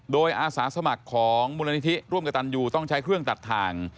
โดยอาสาสมัครของมูลนิธิร่วมกับตันยูต้องใช้เครื่องตัดทาง